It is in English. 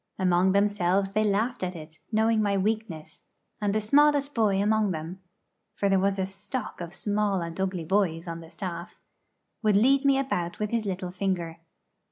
Among themselves they laughed at it, knowing my weakness; and the smallest boy among them for there was a stock of small and ugly boys on the staff would lead me about with his little finger.